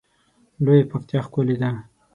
لویه پکتیا ښکلی ده